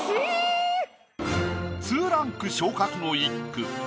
２ランク昇格の一句。